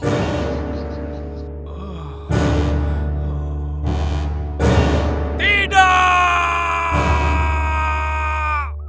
lalu tak bergantung